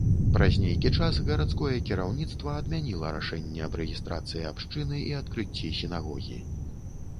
Праз нейкі час гарадское кіраўніцтва адмяніла рашэнне аб рэгістрацыі абшчыны і адкрыцці сінагогі.